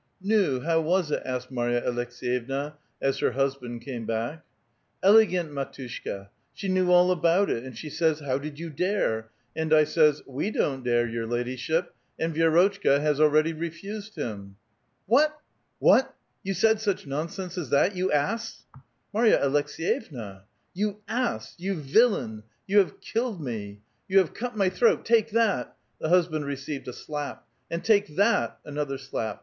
how was it?" asked Marj a Aleks^yevna, as her husband came buck. ^' iilegiint, mdtushka; she knew all about it, and she saj's, 'How did you dare?' and I says, 'We don't dare, your hidyship, and Vi6rotchka has already refused him.' " "What? Wiiat? You said such nonsense as that, you ass ?"^" Marva Aleks6vevna —"" You ass ! you villain ! you have killed me ! you have cut my throat ! Take that !"— The husband received a slap. ''And take that!" Another slap.